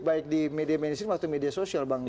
baik di media media sosial